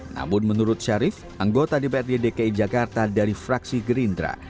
namun menurut syarif anggota dprd dki jakarta dari fraksi gerindra